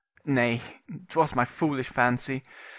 Nay, 'twas my foolish fancy.